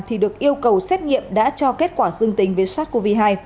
thì được yêu cầu xét nghiệm đã cho kết quả dương tính với sars cov hai